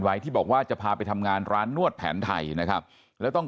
ที่บอกว่าจะพาไปทำงานร้านนวดแผนไทยนะครับแล้วต้อง